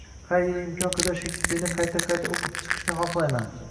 Har yili imkon qadar Shekspirni qayta-qayta o‘qib chiqishni xohlayman.